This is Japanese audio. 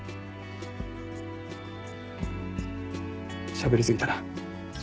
しゃべり過ぎたな。